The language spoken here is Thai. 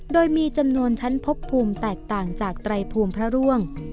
โดยมีจำนวนชั้นพบภูมิแตกต่างจากไตรภูมิพระร่วง